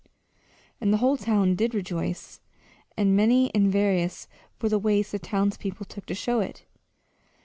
And the whole town did rejoice and many and various were the ways the townspeople took to show it.